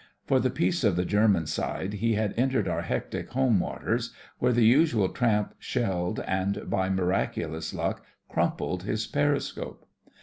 For the peace of the German side he had entered our hectic home waters, where the usual tramp shelled, and by mirac ulous luck, crumpled his periscope.